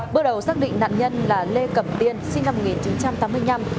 bước đầu xác định nạn nhân là lê cẩm tiên sinh năm một nghìn chín trăm tám mươi năm